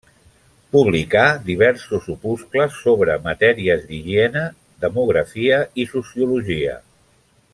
Publicà diversos opuscles sobre matèries d'higiene, demografia i sociologia.